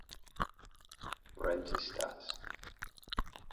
Rentistas.